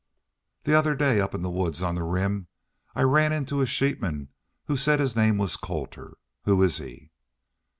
"The other day back up in the woods on the Rim I ran into a sheepman who said his name was Colter. Who is he?